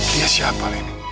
dia siapa ini